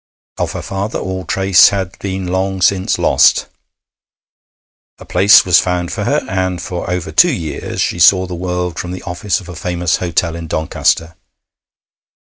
Of her father all trace had been long since lost. A place was found for her, and for over two years she saw the world from the office of a famous hotel in Doncaster.